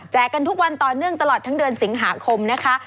กันทุกวันต่อเนื่องตลอดทั้งเดือนสิงหาคมนะคะ